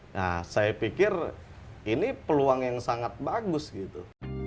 nah saya pikir ini peluang yang sangat bagus gitu